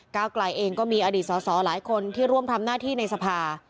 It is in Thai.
กลายเองก็มีอดีตสอสอหลายคนที่ร่วมทำหน้าที่ในสภา